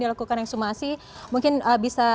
dilakukan yang sumasi mungkin bisa